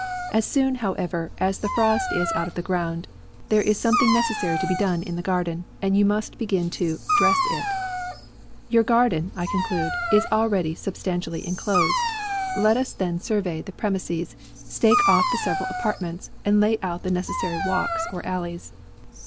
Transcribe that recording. As soon, however, as the frost is out of the ground, there is something necessary to be done in the garden ; and you must begin to wC dress Your garden, I conclude, is already sub stantially inclosed. Let us then survey the premises, stake off the several apartments, and lay out the necessary walks or alleys.